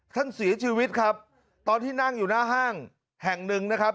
ท่านเสียชีวิตครับตอนที่นั่งอยู่หน้าห้างแห่งหนึ่งนะครับ